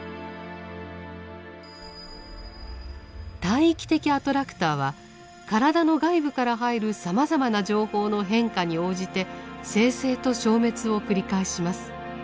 大域的アトラクターは体の外部から入るさまざまな情報の変化に応じて生成と消滅を繰り返します。